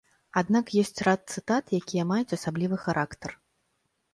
Аднак ёсць рад цытат, якія маюць асаблівы характар.